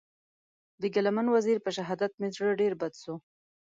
د ګیله من وزېر په شهادت مې زړه ډېر بد سو.